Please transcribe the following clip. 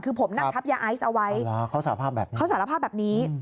คือผมนั่งทับยาไอซ์เอาไว้เขาสารภาพแบบนี้